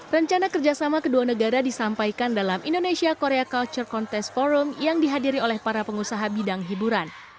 rencana kerjasama kedua negara disampaikan dalam indonesia korea culture contest forum yang dihadiri oleh para pengusaha bidang hiburan